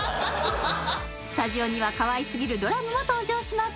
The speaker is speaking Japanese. スタジオにはかわいすぎるドラムも登場します！